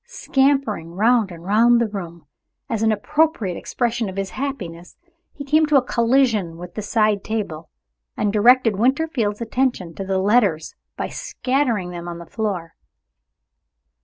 Scampering round and round the room, as an appropriate expression of happiness, he came into collision with the side table and directed Winterfield's attention to the letters by scattering them on the floor.